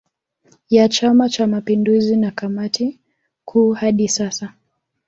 Ya chama cha mapinduzi na kamati kuu hadi sasa